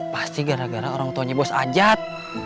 pasti gara gara orang tuanya bos ajat